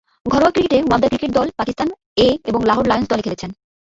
ঘরোয়া ক্রিকেটে ওয়াপদা ক্রিকেট দল, পাকিস্তান এ এবং লাহোর লায়ন্স দলে খেলছেন।